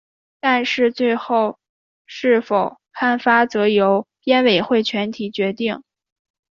但是最后是否刊发则由编委会全体决定。